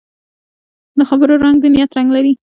د خبرو رنګ د نیت رنګ لري